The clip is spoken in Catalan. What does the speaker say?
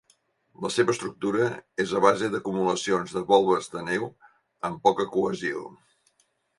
La seva estructura és a base d'acumulacions de volves de neu amb poca cohesió.